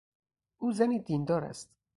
او زنی دیندار است.